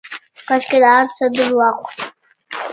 کاشکې دا هرڅه درواغ واى.